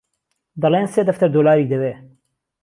دەڵێن سێ دەفتەر دۆلاری دەوێ